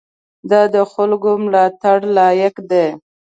دا د خلکو ملاتړ لایق دی.